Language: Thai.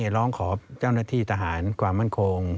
ร้องขอเจ้าหน้าที่ทหารความมั่นคง